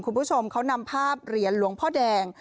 คุณผู้ชมเขานำภาพเหรียญหลวงพ่อแดง